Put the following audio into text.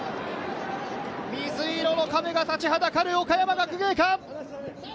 水色の壁が立ちはだかる岡山学芸館。